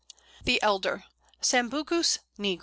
] The Elder (Sambucus nigra).